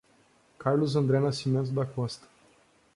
Carlos André Nascimento da Costa